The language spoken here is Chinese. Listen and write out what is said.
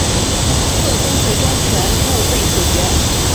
特工最终全部被处决。